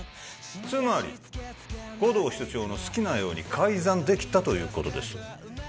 つまり護道室長の好きなように改ざんできたということです